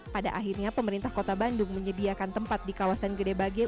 pada akhirnya pemerintah kota bandung menyediakan tempat di kawasan gede bage